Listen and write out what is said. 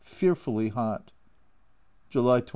Fearfully hot July 29.